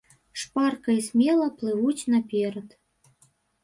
Шпарка і смела плывуць наперад.